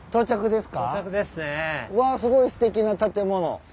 すごいすてきな建物。